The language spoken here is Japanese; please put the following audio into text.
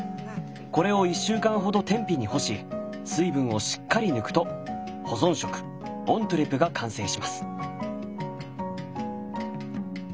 これを１週間ほど天日に干し水分をしっかり抜くと保存食オントゥレが完成します。